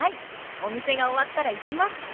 お店が終わったら行きます！